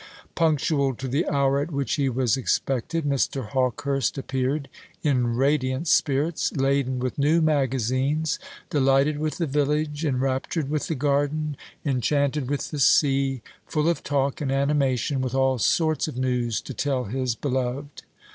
Punctual to the hour at which he was expected, Mr. Hawkehurst appeared, in radiant spirits, laden with new magazines, delighted with the village, enraptured with the garden, enchanted with the sea; full of talk and animation, with all sorts of news to tell his beloved.